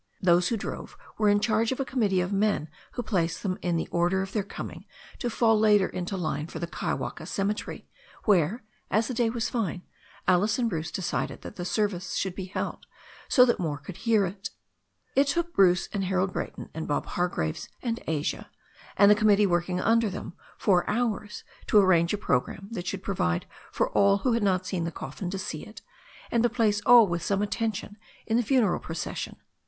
Those who drove were in charge of a committee of men who placed them in the order of their coming to fall later into line for the Kaiwaka cemetery, where, as the day was fine, Alice and Bruce decided that the service should be held so that more could hear it It took Bruce and Harold Bra3rton and Bob Hargraves and Asia, and a committee working under them, four hours to arrange a programme that should provide for all who had not seen the coffin to see it, and to place all with some attention in the funeral procession.